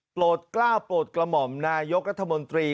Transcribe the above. โปรดกล้าวโปรดกระหม่อมนายกรัฐมนตรี